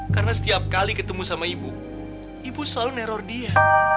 karena setiap kali ketemu sama ibu ibu selalu neror dia